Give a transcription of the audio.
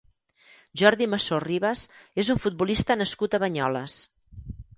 Jordi Masó Ribas és un futbolista nascut a Banyoles.